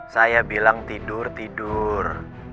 saya bilang tidur tidur